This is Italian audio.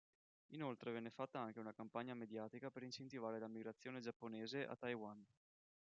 Inoltre venne fatta anche una campagna mediatica per incentivare la migrazione giapponese a Taiwan.